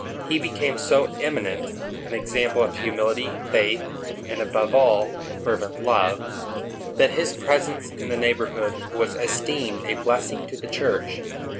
He became so eminent an example of humility, faith, and, above all, fervent love, that his presence in the neighborhood was esteemed a blessing to the church.